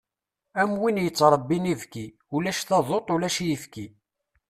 Am win yettṛebbin ibki, ulac taduḍt, ulac ifki.